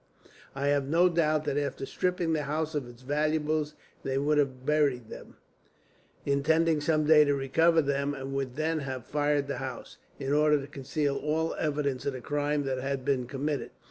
I have no doubt that after stripping the house of its valuables they would have buried them, intending some day to recover them; and would then have fired the house, in order to conceal all evidence of the crime that had been committed.